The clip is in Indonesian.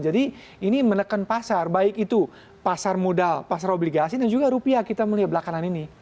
jadi ini menekan pasar baik itu pasar modal pasar obligasi dan juga rupiah kita melihat belakangan ini